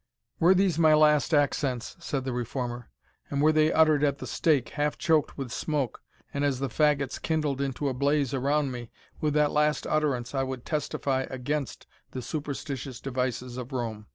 "Were these my last accents," said the reformer, "and were they uttered at the stake, half choked with smoke, and as the fagots kindled into a blaze around me, with that last utterance I would testify against the superstitious devices of Rome."